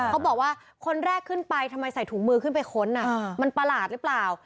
เขาบอกว่าคนแรกขึ้นไปทำไมใส่ถุงมือขึ้นไปค้นมันประหลาดหรือเปล่า